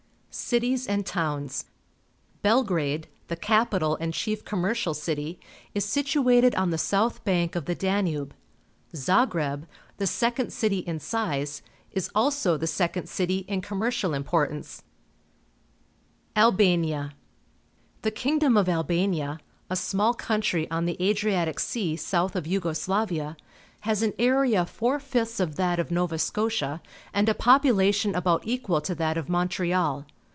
Cities and Towns. — Belgrade, the capital and chief commercial city, is situated on the south bank of the Danube. Zagreb, the second city in size, is also the second city in commercial importance. 200 PUBLIC SCHOOL GEOGRAPHY ALBANIA r »^Z^ The kingdom of Albania, a small country on the Adriatic Sea south of Yugo Slavia, has an area four fifths of that of Nova Scotia and a population about equal to that of Montreal.